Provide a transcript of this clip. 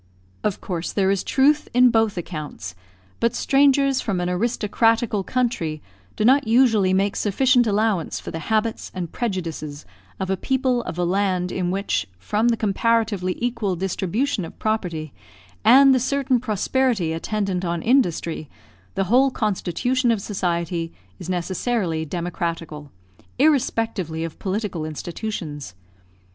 Of course there is truth in both accounts; but strangers from an aristocratical country do not usually make sufficient allowance for the habits and prejudices of a people of a land, in which, from the comparatively equal distribution of property, and the certain prosperity attendant on industry, the whole constitution of society is necessarily democratical, irrespectively of political institutions.